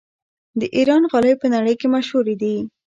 د ایران غالۍ په نړۍ کې مشهورې دي.